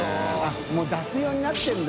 もう出す用になってるんだ。